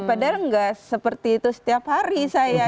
padahal nggak seperti itu setiap hari saya